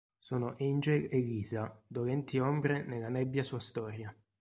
Sono Angel e Liza, dolenti ombre nella nebbia sua storia.